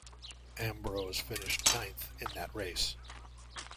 Ambrose finished ninth in that race.